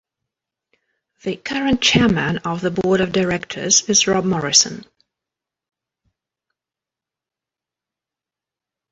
The current Chairman of the Board of Directors is Rob Morrison.